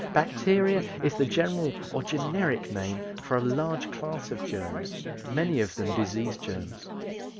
Bacteria is the general or generic name for a large class of germs, many of them disease germs.